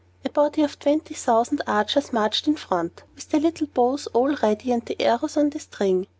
A body of twenty thousand archers marched in front, with their little bows all ready, and the arrows on the string.